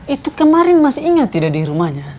itu kemarin masih ingat tidak di rumahnya